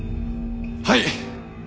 はい！